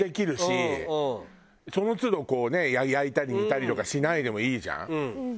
その都度こうね焼いたり煮たりとかしないでもいいじゃん。